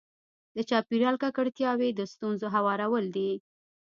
د چاپېریال ککړتیاوې د ستونزو هوارول دي.